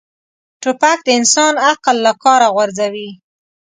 توپک د انسان عقل له کاره غورځوي.